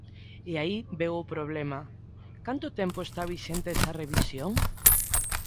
E aí veu o problema: canto tempo está vixente esa revisión?